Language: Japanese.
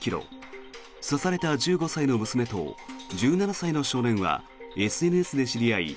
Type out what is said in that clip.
刺された１５歳の娘と１７歳の少年はＳＮＳで知り合い